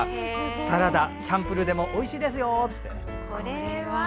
サラダ、チャンプルでもおいしいですよって。